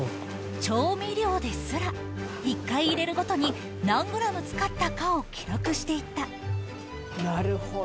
調味料ですら、１回入れるごとに、何グラム使ったかを記録していった。